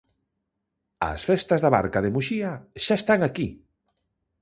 As festas da Barca de Muxía xa están aquí.